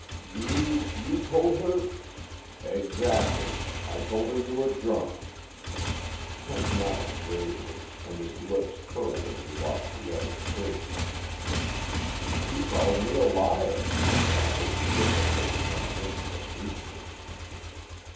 "You you told her " "Ex actly. I told her you were drunk." Kent nodded gravely, and his lips curled as he watched the other cringe. "She called me a liar," he added, with a certain reminiscent amusement.